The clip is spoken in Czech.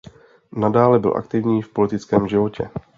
Nadále byl aktivní v politickém životě.